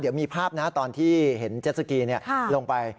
เดี๋ยวมีภาพนะตอนที่เห็นเจ็ดสกีลงไป